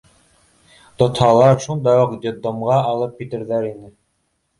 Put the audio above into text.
Тотһалар, шунда уҡ детдомға алып китерҙәр ине.